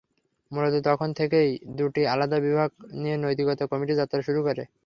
মূলত তখন থেকেই দুটি আলাদা বিভাগ নিয়ে নৈতিকতা কমিটি যাত্রা শুরু করে।